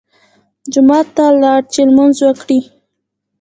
جومات ته لاړ چې لمونځ وکړي.